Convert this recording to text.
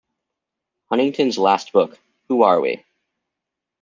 Huntington's last book, Who Are We?